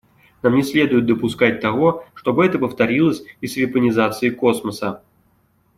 Нам не следует допускать того, чтобы это повторилось и с вепонизацией космоса.